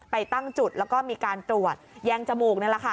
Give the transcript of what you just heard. ตั้งจุดแล้วก็มีการตรวจแยงจมูกนี่แหละค่ะ